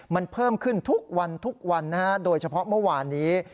มันเพิ่มขึ้นทุกวันโดยเฉพาะเมื่อวานนี้